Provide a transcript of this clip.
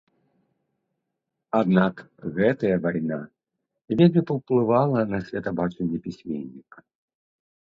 Аднак гэтая вайна вельмі паўплывала на светабачанне пісьменніка.